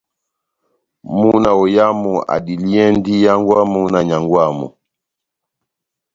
Múna oyamu adiliyɛndi hángwɛ́ wamu na nyángwɛ wamu.